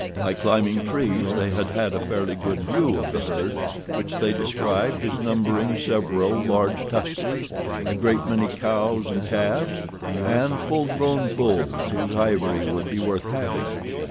By climbing trees they had had a fairly good view of the herd, which they described as numbering several large tuskers, a great many cows and calves, and full grown bulls whose ivory would be worth having.